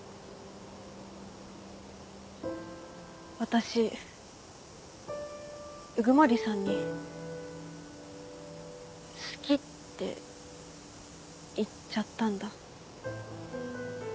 私鵜久森さんに「好き」って言っちゃったんだ。